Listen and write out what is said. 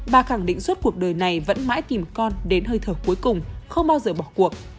bà khẳng định suốt cuộc đời này vẫn mãi tìm con đến hơi thở cuối cùng không bao giờ bỏ cuộc